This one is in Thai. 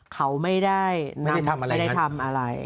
เขาไม่ได้ทำอะไรไม่ได้ทำอะไร